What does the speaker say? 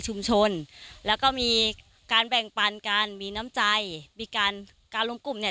ชาวนาในพื้นที่เข้ารวมกลุ่มและสร้างอำนาจต่อรองได้